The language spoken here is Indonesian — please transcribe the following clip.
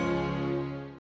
sampai jumpa lagi